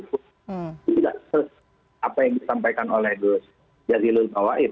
itu tidak sesuai apa yang disampaikan oleh gus jazilul tawaid